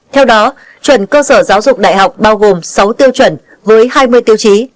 theo đó chuẩn cơ sở giáo dục đại học bao gồm sáu tiêu chuẩn với hai mươi tiêu chí